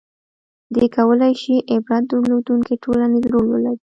• دې کولای شي عبرت درلودونکی ټولنیز رول ولري.